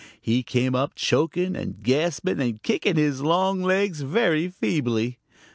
He came up choking and gasping and kicking his long legs very feebly.